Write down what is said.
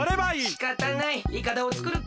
しかたないいかだをつくるか。